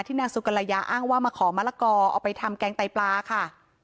นางสุกรยาอ้างว่ามาขอมะละกอเอาไปทำแกงไตปลาค่ะ